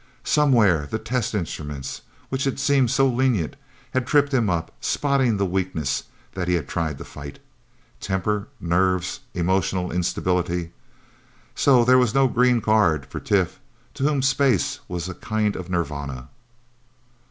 Somewhere the test instruments which had seemed so lenient had tripped him up, spotting the weakness that he had tried to fight. Temper, nerves emotional instability. So there was no green card for Tif, to whom space was a kind of Nirvana...